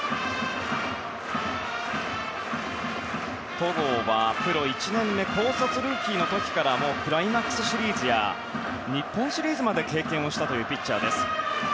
戸郷はプロ１年目高卒ルーキーの時からクライマックスシリーズや日本シリーズまで経験をしたというピッチャー。